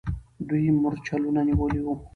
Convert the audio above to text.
دوی مرچلونه نیولي وو.